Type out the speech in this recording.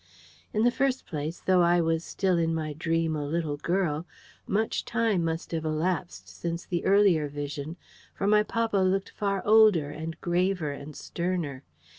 In the first place, though I was still in my dream a little girl, much time must have elapsed since the earlier vision; for my papa looked far older, and graver, and sterner.